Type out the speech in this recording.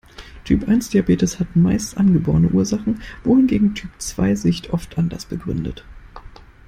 Typ-eins-Diabetes hat meist angeborene Ursachen, wohingegen Typ zwei sich oft anders begründet.